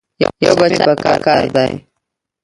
یو بچی مې پکار دی.